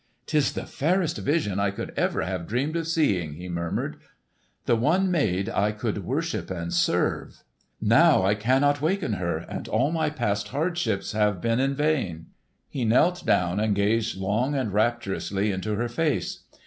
"'Tis the fairest vision I could ever have dreamed of seeing!" he murmured; "the one maid I could worship and serve! Now I cannot waken her, and all my past hardships have been in vain." He knelt down and gazed long and rapturously into her face.